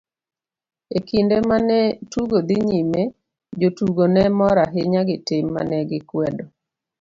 E kinde mane tugo dhi nyime, jotugo ne mor ahinya gi tim mane gikwedo.